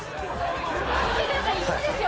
見てください、イカですよ。